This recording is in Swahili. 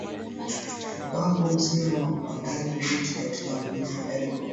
mpango mzima wa upandaji miti katika mlima elgon